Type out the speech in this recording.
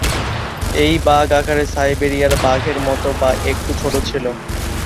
এই বাঘ আকারে সাইবেরিয়ার বাঘ এর মত বা একটু ছোট ছিল।